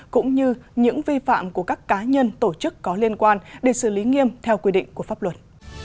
cũng như những vi phạm của các cá nhân tổ chức có liên quan để xử lý nghiêm theo quy định của pháp luật